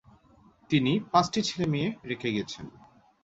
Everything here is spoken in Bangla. তিনি পাঁচটি ছেলেমেয়ে রেখে গেছেন।